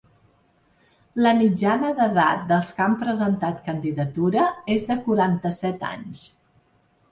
La mitjana d’edat dels que han presentat candidatura és de quaranta-set anys.